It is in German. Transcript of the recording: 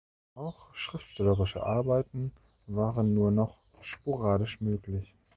Auch schriftstellerische Arbeiten waren nur noch sporadisch möglich.